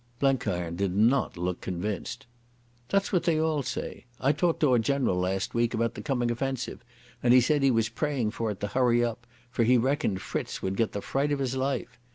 Blenkiron did not look convinced. "That's what they all say. I talked to a general last week about the coming offensive, and he said he was praying for it to hurry up, for he reckoned Fritz would get the fright of his life.